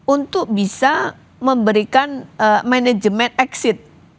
untuk bisa memberikan manajemen exit